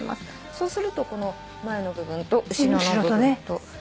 そうするとこの前の部分と後ろの部分と。